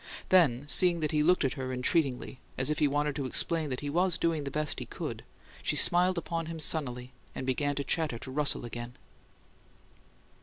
Then, seeing that he looked at her entreatingly, as if he wanted to explain that he was doing the best he could, she smiled upon him sunnily, and began to chatter to Russell again.